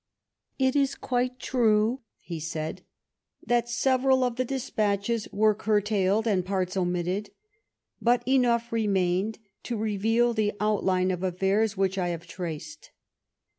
It is quite true [he said] that several of the despatches were cur tailed and parts omitted, but enough remained to reveal the outline of afifairs which I have traced.